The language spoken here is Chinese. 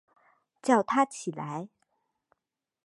叫他起来